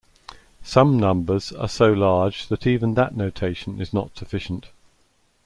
Some numbers are so large that even that notation is not sufficient.